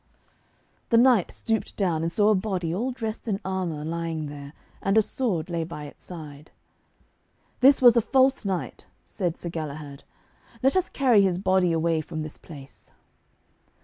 The knight stooped down and saw a body all dressed in armour lying there, and a sword lay by its side. 'This was a false knight,' said Sir Galahad. 'Let us carry his body away from this place.'